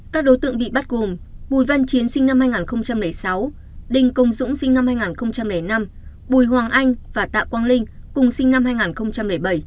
các đối tượng bị bắt gồm bùi văn chiến sinh năm hai nghìn sáu đình công dũng sinh năm hai nghìn năm bùi hoàng anh và tạ quang linh cùng sinh năm hai nghìn bảy